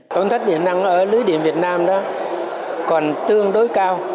tổn thất điện năng ở lưới điện việt nam đó còn tương đối cao